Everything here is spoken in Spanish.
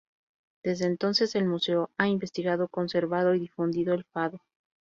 Desde entonces, el museo ha investigado, conservado y difundido el fado.